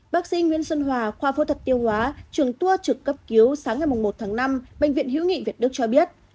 bác sĩ nguyễn xuân hòa khoa phô thật tiêu hóa trường tua trực cấp cứu sáng ngày mùa một tháng năm bệnh viện hữu nghị việt đức cho biết